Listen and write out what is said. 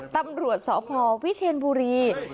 ตำรวจสพวิเชียนบุรี